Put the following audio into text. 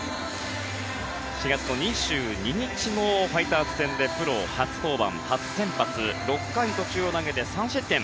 ４月２２日のファイターズ戦でプロ初登板、初先発６回途中を投げて３失点。